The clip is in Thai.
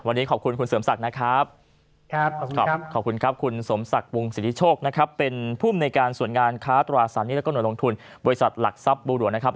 วันนี้ขอบคุณคุณสมศักดิ์วงศรีธิโชคนะครับเป็นผู้บรรณาส่วนงานค้าตรวจอาสันและเนื้อลงทุนบริษัทหลักทรัพย์บูรณ์นะครับ